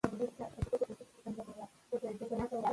که ملاتړ دوام وکړي نو بریا دوام کوي.